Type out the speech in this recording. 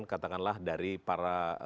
katakanlah dari para